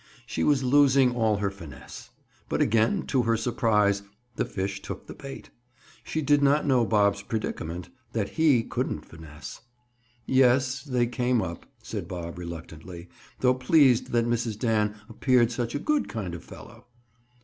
She was losing all her finesse. But again, to her surprise, the fish took the bait. She did not know Bob's predicament—that he couldn't finesse. "Yes, they came up," said Bob reluctantly, though pleased that Mrs. Dan appeared such a good kind of fellow.